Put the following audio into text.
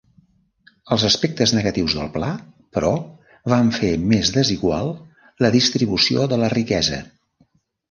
Els aspectes negatius del pla, però, van fer més desigual la distribució de la riquesa.